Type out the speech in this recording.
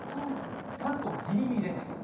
関東ぎりぎりです。